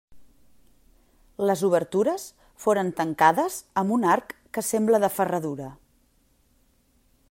Les obertures foren tancades amb un arc que sembla de ferradura.